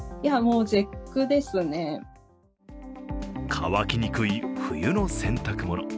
乾きにくい冬の洗濯物。